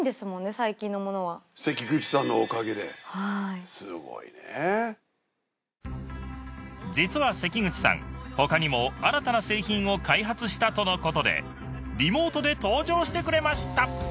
最近のものは関口さんのおかげですごいね実は関口さんほかにも新たな製品を開発したとのことでリモートで登場してくれました！